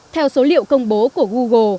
theo số liệu công bố của google